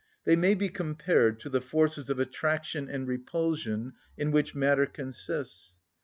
They may be compared to the forces of attraction and repulsion in which matter consists.